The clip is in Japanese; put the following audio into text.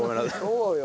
そうよ。